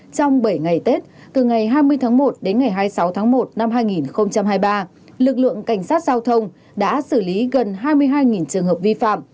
trong bảy ngày tết từ ngày hai mươi tháng một đến ngày hai mươi sáu tháng một năm hai nghìn hai mươi ba lực lượng cảnh sát giao thông đã xử lý gần hai mươi hai trường hợp vi phạm